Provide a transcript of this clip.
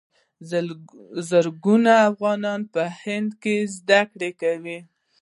زرګونه افغانان په هند کې زده کړې کوي.